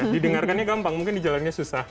didengarkannya gampang mungkin dijalannya susah